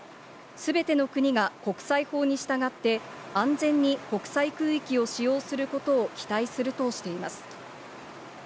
全ての国が国際法に従って安全に国際空域を使用することを期待するとしています。